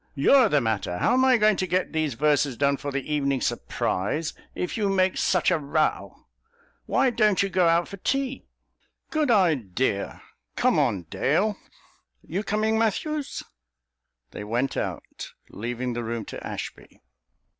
"You're the matter. How am I going to get these verses done for The Evening Surprise if you make such a row? Why don't you go out to tea?" "Good idea. Come on, Dale. You coming, Matthews?" They went out, leaving the room to Ashby.